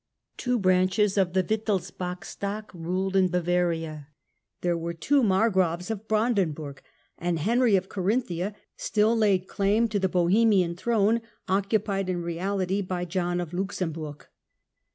Two branches of the Wittelsbach stock ruled in Bavaria, there were two Margraves of Branden burg, and Henry of Carinthia still laid claim to the Bohemian throne occupied in reality by John of Luxem burg.